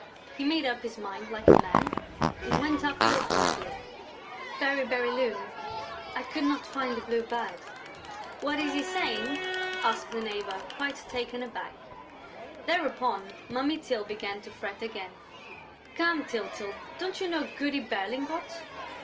He made up his mind like a man and went up to her boldly: "Fairy Bérylune, I could not find the Blue Bird...." "What is he saying?" asked the neighbor, quite taken aback. Thereupon Mummy Tyl began to fret again: "Come, Tyltyl, don't you know Goody Berlingot?"